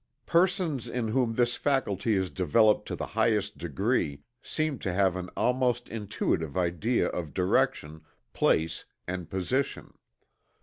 Persons in whom this faculty is developed to the highest degree seem to have an almost intuitive idea of direction, place and position.